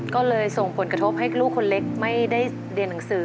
ก็เลยส่งผลกระทบให้ลูกคนเล็กไม่ได้เรียนหนังสือ